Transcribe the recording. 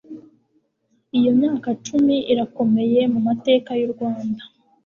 iyo myaka cumi irakomeye mu mateka y'u rwanda